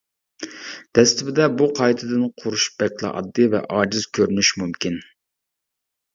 دەسلىپىدە بۇ قايتىدىن قۇرۇش بەكلا ئاددىي ۋە ئاجىز كۆرۈنۈشى مۇمكىن.